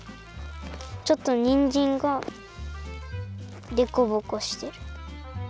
ちょっとにんじんがでこぼこしてる。